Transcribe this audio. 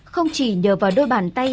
không chỉ nhờ vào đôi bàn tay